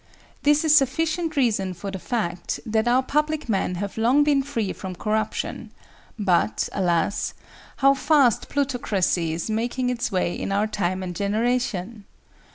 This is sufficient reason for the fact that our public men have long been free from corruption; but, alas, how fast plutocracy is making its way in our time and generation!